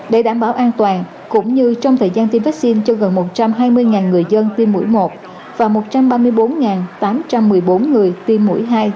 để đảm bảo an toàn cũng như trong thời gian tiêm vaccine cho gần một trăm hai mươi người dân tiêm mũi một và một trăm ba mươi bốn tám trăm một mươi bốn người tiêm mũi hai